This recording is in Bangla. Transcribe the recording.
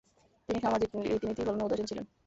তিনি সামাজিক রীতি-নীতি পালনে উদাসীন ছিলেন।